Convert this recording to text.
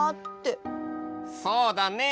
そうだね！